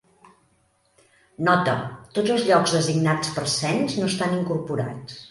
Nota: tots els llocs designats per cens no estan incorporats.